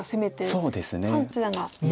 そうですね